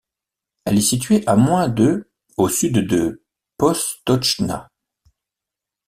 Elle est située à moins de au sud de Postojna.